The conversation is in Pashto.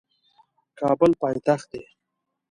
کابل پایتخت دی